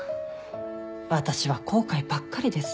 私は後悔ばっかりです。